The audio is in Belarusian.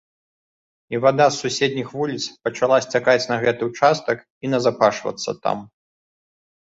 І вада з суседніх вуліц пачала сцякаць на гэты ўчастак і назапашвацца там.